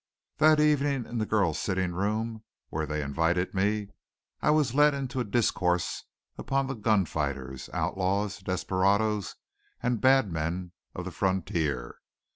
That evening in the girls' sitting room, where they invited me, I was led into a discourse upon the gun fighters, outlaws, desperadoes, and bad men of the frontier.